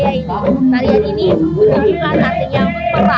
yang ada di belakang